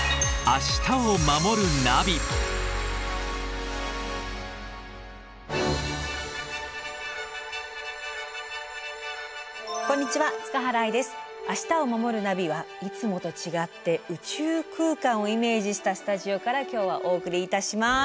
「明日をまもるナビ」はいつもと違って宇宙空間をイメージしたスタジオから今日はお送りいたします。